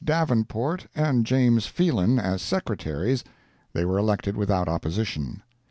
Davenport and James Phelan as Secretaries. They were elected without opposition.